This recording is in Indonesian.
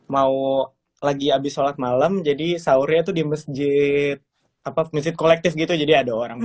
mau lagi habis sholat malam jadi sahurnya tuh di masjid apa masjid kolektif gitu jadi ada orang